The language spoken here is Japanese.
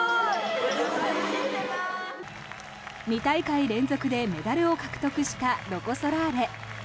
２大会連続でメダルを獲得したロコ・ソラーレ。